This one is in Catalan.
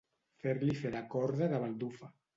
Fer-li fer de corda de baldufa.